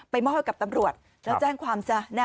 มอบให้กับตำรวจแล้วแจ้งความซะนะ